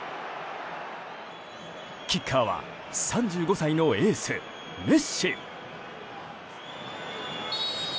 キッカーは３５歳のエース、メッシ。